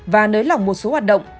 và nới lỏng một số hoạt động